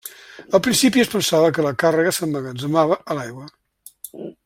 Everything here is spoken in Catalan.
Al principi es pensava que la càrrega s'emmagatzemava a l'aigua.